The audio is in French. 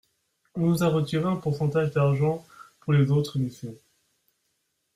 On nous a retiré un pourcentage d’argent pour les autres missions.